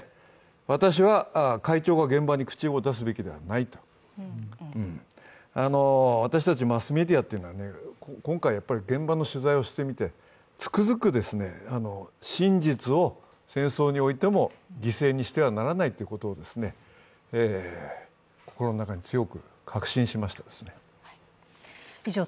私は、会長が現場に口を出すべきではないと。私たちマスメディアというのは今回、現場の取材をしてみて、つくづく真実を戦争においても犠牲にしてはならないということを心の中に強く確信しました。